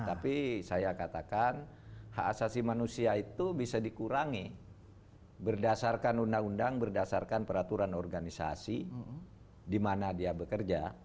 tapi saya katakan hak asasi manusia itu bisa dikurangi berdasarkan undang undang berdasarkan peraturan organisasi di mana dia bekerja